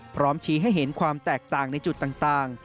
พร้อมชี้ให้เห็นความแตกต่างในจุดต่าง